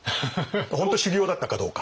本当に修行だったかどうか。